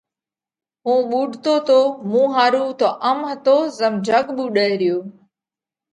هُون ٻُوڏتو تو، مُون ۿارُو تو ام هتو زم جڳ ٻُوڏئه ريو۔